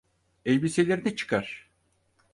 Elbiselerini çıkar.